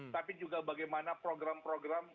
tapi juga bagaimana program program